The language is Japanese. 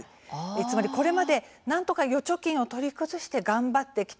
つまり、これまでなんとか預貯金を取り崩して頑張ってきた